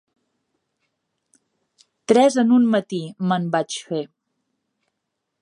Tres en un matí, me'n vaig fer.